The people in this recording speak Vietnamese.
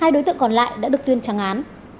hai đối tượng còn lại đã được tuyên trăng án